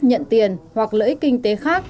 nhận tiền hoặc lợi ích kinh tế khác